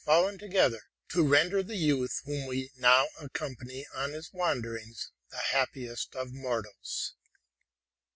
fallen together to render the youth whom we now accompany on RELATING TO MY LIFE. 133 his wanderings the happiest of mortals.